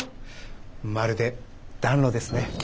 まるで暖炉ですね。